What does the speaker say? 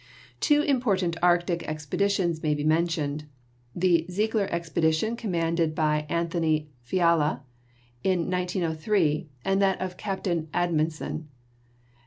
Two important Arctic expeditions may be mentioned, the Ziegler expedition commanded by Anthony Fiala in 1903 and that of Capt. Amundsen.